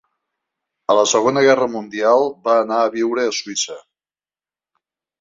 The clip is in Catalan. A la Segona Guerra Mundial va anar a viure a Suïssa.